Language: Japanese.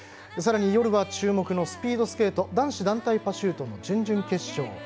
さらに夜は注目のスピードスケート男子団体パシュートの準々決勝。